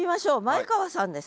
前川さん。